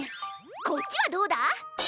こっちはどうだ？